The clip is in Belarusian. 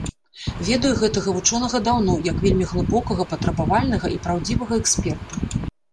Ведаю гэтага вучонага даўно як вельмі глыбокага, патрабавальнага і праўдзівага эксперта.